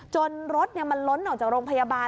รถมันล้นออกจากโรงพยาบาล